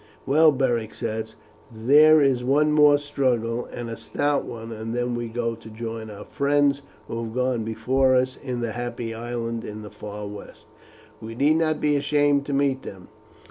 "Well," Beric said, "there is one more struggle, and a stout one, and then we go to join our friends who have gone before us in the Happy Island in the far west. We need not be ashamed to meet them.